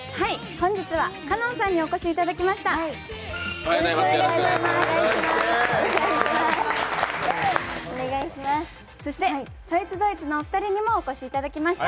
本日は香音さんにお越しいただきました。